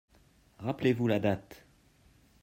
Rappelez-vous la date.